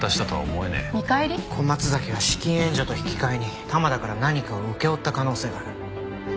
小松崎は資金援助と引き換えに玉田から何かを請け負った可能性がある。